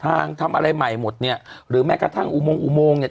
ทำอะไรใหม่หมดเนี่ยหรือแม้กระทั่งอุโมงอุโมงเนี่ย